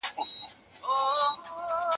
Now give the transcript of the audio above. زه پرون د سبا لپاره د سوالونو جواب ورکوم..